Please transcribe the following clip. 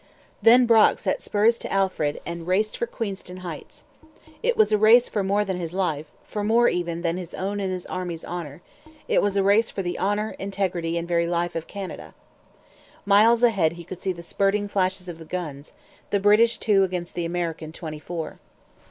Then Brock set spurs to Alfred and raced for Queenston Heights. It was a race for more than his life, for more, even, than his own and his army's honour: it was a race for the honour, integrity, and very life of Canada. Miles ahead he could see the spurting flashes of the guns, the British two against the American twenty four.